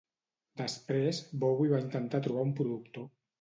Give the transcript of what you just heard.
Després, Bowie va intentar trobar un productor.